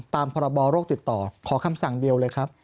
ตามพรบโรคติดต่อขอคำสั่งเดียวเลยครับ